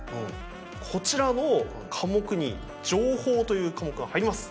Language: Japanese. こちらの科目に「情報」という科目が入ります。